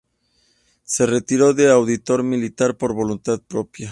Se retiró de Auditor Militar por voluntad propia.